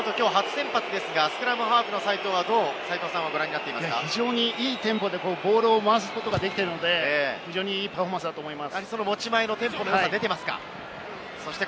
ここまで齋藤直人、きょう初先発ですがスクラムハーフ、斉藤さんはどう、ご覧になっていますか？非常にいいテンポでボールを回すことができているので非常にいいパフォーマンスだと思います。